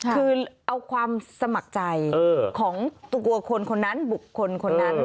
คือเอาความสมัครใจของตัวคนคนนั้นบุคคลคนนั้น